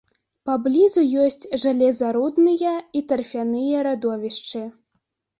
Паблізу ёсць жалезарудныя і тарфяныя радовішчы.